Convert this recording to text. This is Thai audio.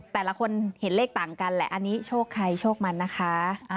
แต่ละคนเห็นเลขต่างกันแหละอันนี้โชคใครโชคมันนะคะ